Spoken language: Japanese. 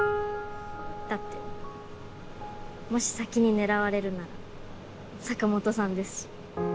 だってもし先に狙われるなら坂本さんですし。